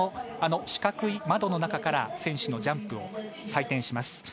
四角い窓の中から選手のジャンプを採点します。